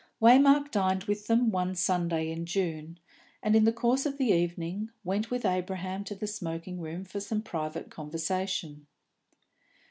Waymark dined with them one Sunday in June, and, in the course of the evening, went with Abraham to the smoking room for some private conversation.